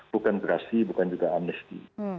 bukan gerasi bukan juga amnesti